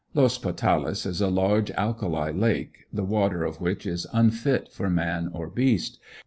Los Potales is a large alkali Lake, the water of which is unfit for man or beast.